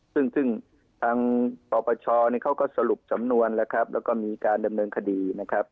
ซึ่งซึ่งทางปรปเชาะก็สรุปสำนวนแล้วก็มีการดำเนินคดี